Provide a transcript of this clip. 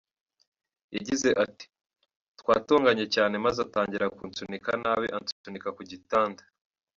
Yagize ati “Twatonganye cyane maze atangira kunsunika nabi ansunika ku gitanda.